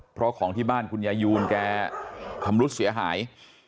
เพราะของที่บ้านคุณยายูนแกชำรุดเสียหาย